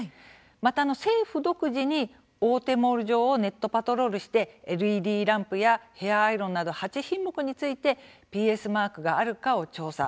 また、政府独自に大手モール上をネットパトロールしてＬＥＤランプやヘアアイロンなど８品目についてＰＳマークがあるかを調査。